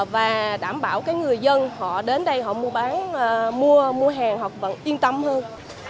và đảm bảo người dân họ đến đây mua hàng họ vẫn yên tâm hơn